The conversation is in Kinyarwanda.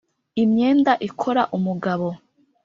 imyenda ikora umugabo